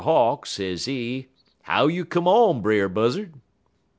Hawk, sezee, 'How you come on, Brer Buzzard?'